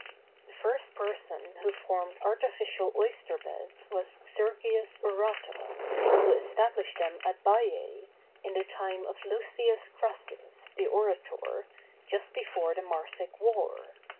The first person who formed artificial oyster beds was Sergius Orata, who established them at Baiæ, in the time of Lucius Crassus, the orator, just before the Marsic War.